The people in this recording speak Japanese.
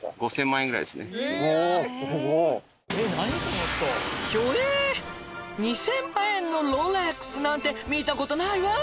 ２，０００万円のロレックスなんて見たことないわ！」